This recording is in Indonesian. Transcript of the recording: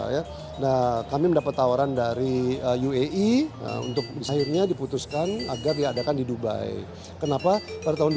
ya nah kami mendapat tawaran dari uae untuk akhirnya diputuskan agar diadakan di dubai kenapa pada tahun dua ribu